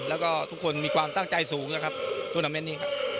แล้วก็ทุกคนมีความตั้งใจสูงนะครับทวนาเมนต์นี้ครับ